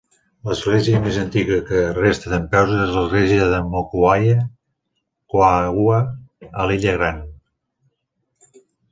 L'església més antiga que resta dempeus és l'església de Mokuaikaua a l'illa gran.